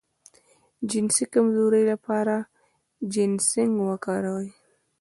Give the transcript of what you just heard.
د جنسي کمزوری لپاره جنسینګ وکاروئ